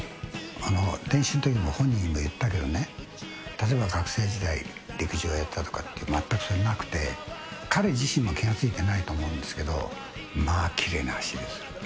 練習のときに本人にも言ったけどね、例えば、学生時代に陸上やっていたとか、全くそういうのなくて、彼自身も気が付いてないと思うんですけど、きれいな走りですよ。